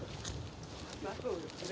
まそうですね。